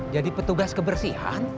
jadi petugas kebersihan